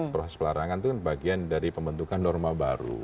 proses pelarangan itu kan bagian dari pembentukan norma baru